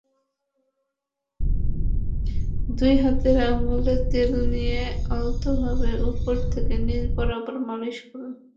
দুই হাতের আঙুলে তেল নিয়ে আলতোভাবে ওপর থেকে নিচ বরাবর মালিশ করুন।